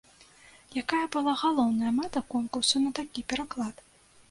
Якая была галоўная мэта конкурсу на такі пераклад?